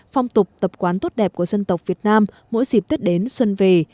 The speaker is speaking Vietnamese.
phong tục tập quán tốt đẹp của dân tộc việt nam mỗi dịp tết đến xuân về